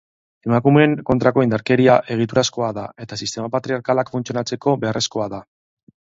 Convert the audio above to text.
Emakumeen kontrako indarkeria egiturazkoa da eta sistema patriarkalak funtzionatzeko beharrezkoa da.